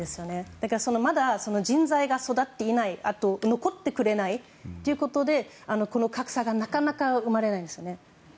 だから、まだ人材が育っていない残ってくれないということで格差がなかなか埋まらないんですよね。